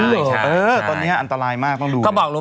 ใช่เหรอตอนนี้อันตรายมากต้องรู้